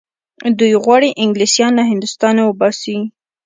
دوی غواړي انګلیسیان له هندوستانه وباسي.